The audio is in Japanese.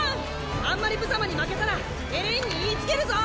あんまりぶざまに負けたらエレインに言いつけるぞ！